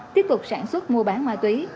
tiếp tục sản xuất mua bán ma túy